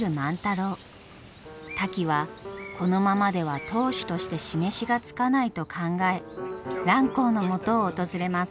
タキはこのままでは当主として示しがつかないと考え蘭光のもとを訪れます。